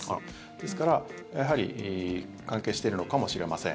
ですから、やはり関係しているのかもしれません。